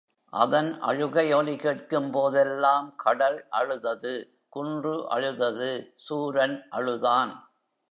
அதன் அழுகை ஒலி கேட்கும்போதெல்லாம் கடல் அழுதது, குன்று அழுதது, சூரன் அழுதான்.